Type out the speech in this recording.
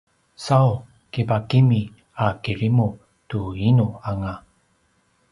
sau kipakimi a kirimu tu inu anga